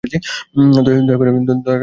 দয়া করে যান, স্যার।